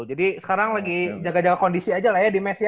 jadi sekarang lagi jaga jaga kondisi aja lah ya di mes ya